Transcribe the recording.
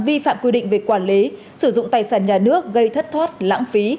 vi phạm quy định về quản lý sử dụng tài sản nhà nước gây thất thoát lãng phí